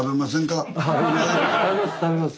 食べます食べます。